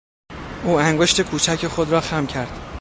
او انگشت کوچک خود را خم کرد.